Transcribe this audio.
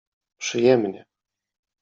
Przyjemnie.